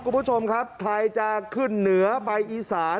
คุณผู้ชมครับใครจะขึ้นเหนือไปอีสาน